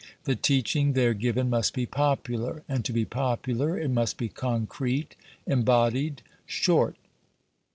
The teaching there given must be popular, and to be popular it must be concrete, embodied, short.